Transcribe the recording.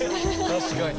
確かに。